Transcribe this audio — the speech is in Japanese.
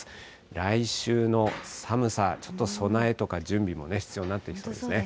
来週の寒さ、ちょっと備えとか準備も必要になってきそうですね。